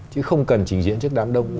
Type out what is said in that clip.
chứ không cần chỉnh diễn trước đám đông